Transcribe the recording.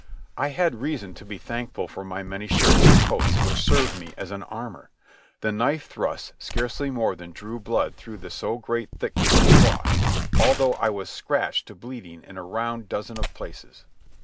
I had reason to be thankful for my many shirts and coats which served me as an armour. The knife thrusts scarcely more than drew blood through the so great thickness of cloth, although I was scratched to bleeding in a round dozen of places.